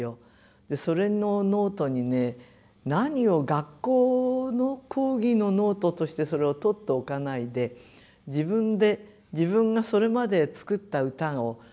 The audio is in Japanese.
それのノートにね何を学校の講義のノートとしてそれを取っておかないで自分で自分がそれまで作った歌を全部そらで言えるんですよ。